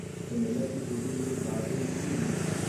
په مېله کښي دودیزي بازۍ کېږي.